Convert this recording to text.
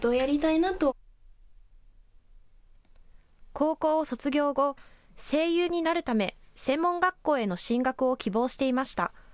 高校を卒業後、声優になるため専門学校への進学を希望していました。